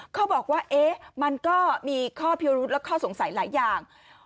เขาบอกว่ามันก็มีข้อพิรุธและข้อสงสัยหลายอย่าง